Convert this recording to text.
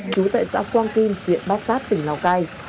trú tại xã quang kim huyện bát sát tỉnh lào cai